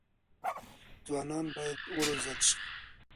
ځوانان بايد وروزل سي.